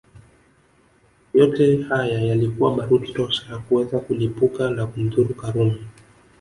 Yote haya yalikuwa baruti tosha kuweza kulipuka na kumdhuru Karume